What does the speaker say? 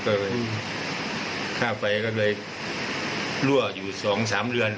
ก็เลยฆ่าไฟก็เลยรั่วอยู่๒๓เดือน